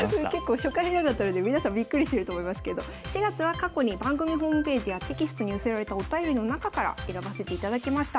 初回なかったので皆さんびっくりしてると思いますけど４月は過去に番組ホームページやテキストに寄せられたお便りの中から選ばせていただきました。